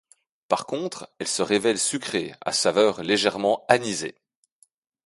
Par contre, elle se révèle sucrée, à saveur légèrement anisée.